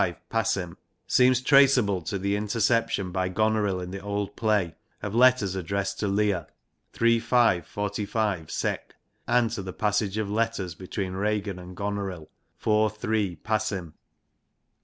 v, passim}, seems traceable to the interception by Gonoril in the old play of letters addressed to Leir (III. v. 45, seg.J and to the passage of letters between Ragan and Gonoril (IV. iii. passim}.